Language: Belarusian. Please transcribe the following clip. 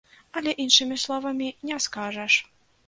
Але іншымі словамі не скажаш.